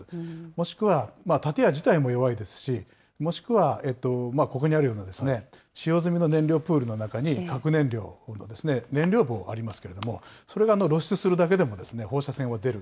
もしくは建屋自体も弱いですし、もしくは、ここにあるような使用済みの燃料プールの中に核燃料という燃料棒がありますけれども、それが露出するだけでも放射線は出る。